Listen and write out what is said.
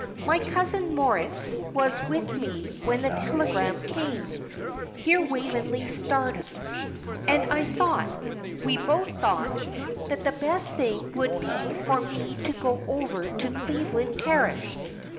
"My cousin Moritz was with me when the telegram came" here Waveney started "and I thought we both thought that the best thing would be for me to go over to Cleveland Terrace.